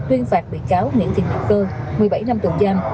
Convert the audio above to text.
tuyên phạt bị cáo nguyễn thị ngọc cơ một mươi bảy năm tù giam